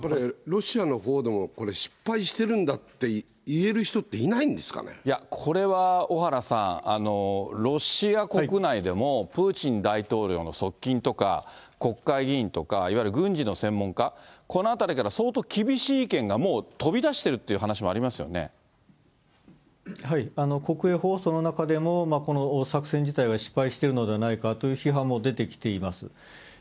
ロシアのほうでもこれ失敗してるんだって言える人っていないこれは小原さん、ロシア国内でも、プーチン大統領の側近とか、国会議員とか、いわゆる軍事の専門家、このあたりから相当厳しい意見がもう飛び出してるっていう話もあ国営放送の中でも、この作戦自体は失敗しているのではないかという批判も出てきています。